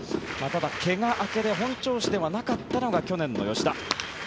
ただ、怪我明けで本調子ではなかったのが去年の吉田。